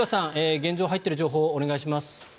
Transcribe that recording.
現状、入っている情報をお願いします。